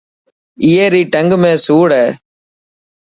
اي ري ٽنگ ۾ سوڙ هي.